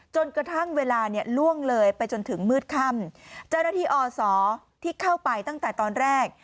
จนกระทั่งเวลาเนี่ยล่วงเลยไปจนถึงมืดค่ำเจ้าหน้าที่อศที่เข้าไปตั้งแต่ตอนแรก